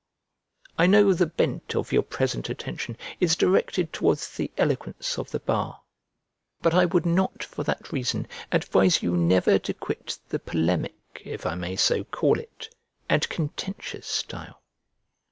I know the bent of your present attention is directed towards the eloquence of the bar; but I would not for that reason advise you never to quit the polemic, if I may so call it, and contentious style.